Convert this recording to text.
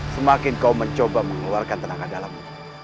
semakin kau mencoba mengeluarkan tenaga dalammu